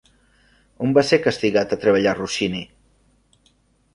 On va ser castigat a treballar Rossini?